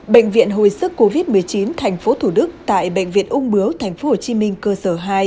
bệnh viện hồi sức covid một mươi chín tp thủ đức tại bệnh viện ung bướu tp hcm cơ sở hai